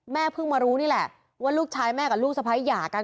เพิ่งมารู้นี่แหละว่าลูกชายแม่กับลูกสะพ้ายหย่ากัน